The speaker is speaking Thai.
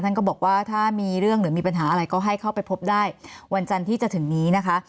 ก็บอกว่าถ้ามีเรื่องหรือมีปัญหาอะไรก็ให้เข้าไปพบได้วันจันทร์ที่จะถึงนี้นะคะ